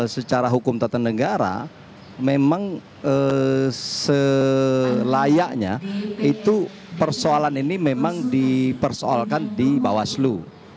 secara hukum tata negara memang selayaknya itu persoalan ini memang dipersoalkan di bawaslu